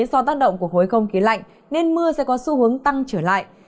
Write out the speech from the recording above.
do tác động của khối không khí lạnh nên mưa sẽ có xu hướng tăng trở lại